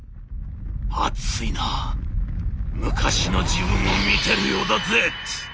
「熱いな昔の自分を見てるようだＺ。